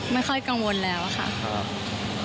ไม่ค่อยกังวลแล้วค่ะ